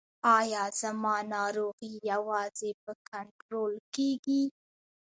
ایا زما ناروغي یوازې په کنټرول کیږي؟